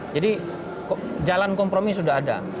jadi jalan kompromi sudah ada